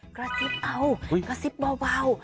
กระซิบเอากระซิบเบา